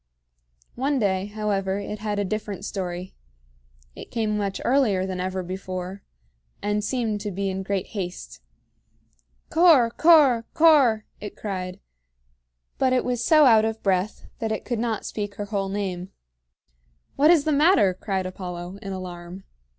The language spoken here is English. One day, however, it had a different story. It came much earlier than ever before, and seemed to be in great haste. "Cor Cor Cor!" it cried; but it was so out of breath that it could not speak her whole name. "What is the matter?" cried Apollo, in alarm.